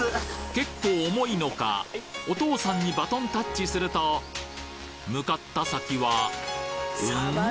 結構重いのかお父さんにバトンタッチすると向かった先はうん？